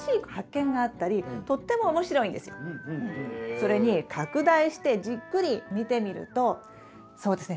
それに拡大してじっくり見てみるとそうですね